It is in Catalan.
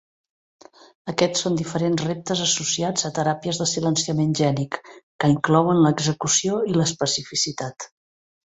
Aquests són diferents reptes associats a teràpies de silenciament gènic, que inclouen l'execució i l'especificitat.